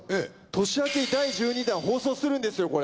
年明けに第１２弾放送するんですよこれ。